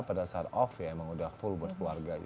pada saat off ya memang sudah full buat keluarga